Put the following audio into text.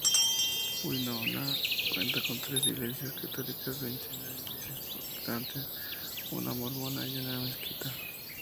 Winona cuenta con tres iglesias católicas, veintinueve iglesias protestantes, una mormona y una mezquita.